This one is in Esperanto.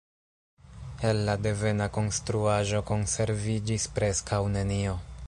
El la devena konstruaĵo konserviĝis preskaŭ nenio.